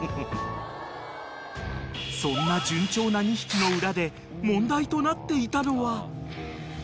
［そんな順調な２匹の裏で問題となっていたのは］